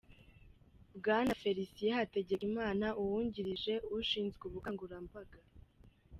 Bwana Félicien Hategekimana, Uwungirije ushinzwe Ubukangurambaga